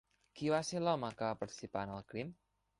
Qui va ser l'home que va participar en el crim?